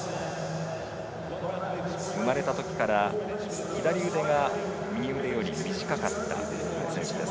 生まれたときから左腕が右腕より短かった選手です。